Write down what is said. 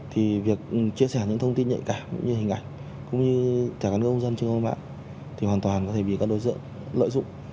thì việc chia sẻ những thông tin nhạy cả cũng như hình ảnh cũng như thẻ cá nhân công dân trên khuôn mặt thì hoàn toàn có thể bị các đối tượng lợi dụng